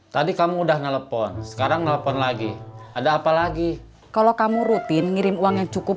tadi kamu udah nelpon sekarang nelfon lagi ada apa lagi kalau kamu rutin ngirim uang yang cukup